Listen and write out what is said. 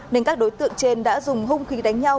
nên các đối tượng trên đã dùng hung khí đánh nhau